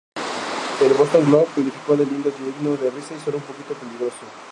El "Boston Globe" calificó de "lindo, digno de risa, y sólo un poquito peligroso".